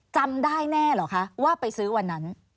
จำได้แน่เหรอคะว่าไปซื้อวันนั้น